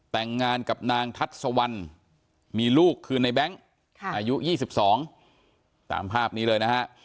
แต่งงานกับนางทัศวรรณมีลูกคือในแบงค์อายุ๒๒ตามภาพนี้เลยนะฮะ